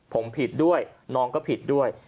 ผมผิดด้วยน้องก็ผิดด้วย